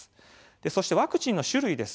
そしてワクチンの種類です。